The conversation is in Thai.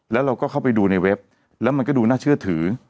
แล้วเราก็เข้าไปดูในเว็บแล้วมันก็ดูน่าเชื่อถือ